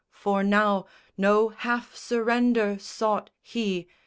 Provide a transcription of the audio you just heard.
For now No half surrender sought he.